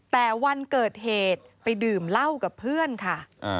แต่วันเกิดเหตุไปดื่มเหล้ากับเพื่อนค่ะ